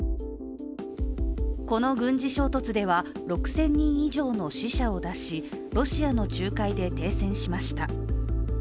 この軍事衝突では６０００人以上の死者を出しロシアの仲介で停戦しました。